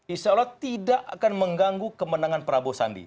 insya allah tidak akan mengganggu kemenangan prabowo sandi